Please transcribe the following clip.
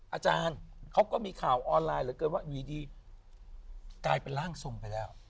อาจารย์เขาก็มีข่าวออนไลน์เหลือเกินว่าอยู่ดีกลายเป็นร่างทรงไปแล้ว